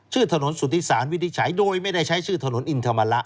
ถนนสุธิสารวินิจฉัยโดยไม่ได้ใช้ชื่อถนนอินธรรมระ